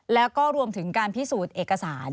แล้วก็รวมถึงการพิสูจน์เอกสาร